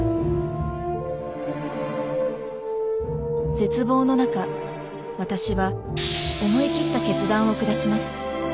絶望の中私は思い切った決断を下します。